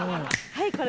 はい。